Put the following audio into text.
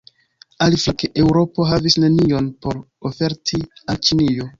Aliflanke, Eŭropo havis nenion por oferti al Ĉinio.